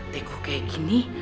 tekuh kayak gini